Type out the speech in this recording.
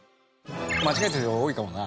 間違えてる人多いかもな。